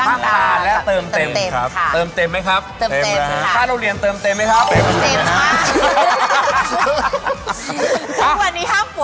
ทุกวันนี้ห้ามป่วยห้ามตายห้ามตายอย่างนั้น